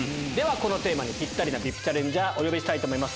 このテーマにぴったりなＶＩＰチャレンジャーお呼びします。